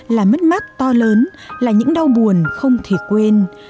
là mất mát to lớn là những đau buồn không thể quên